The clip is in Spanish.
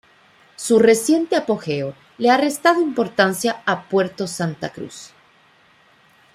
Su reciente apogeo, le ha restado importancia a Puerto Santa Cruz.